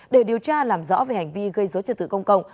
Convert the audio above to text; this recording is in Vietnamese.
để điều tra làm rõ về hành vi gây dối trật tự công cộng